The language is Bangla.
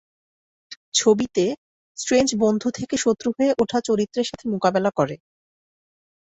ছবিতে, স্ট্রেঞ্জ বন্ধু থেকে শত্রু হয়ে ওঠা চরিত্রের সাথে মোকাবেলা করে।